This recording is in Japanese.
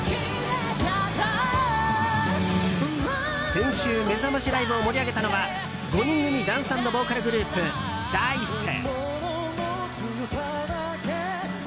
先週めざましライブを盛り上げたのは５人組ダンス＆ボーカルグループＤａ‐ｉＣＥ。